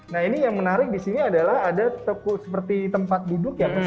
nah ini yang menarik disini adalah ada seperti tempat duduk ya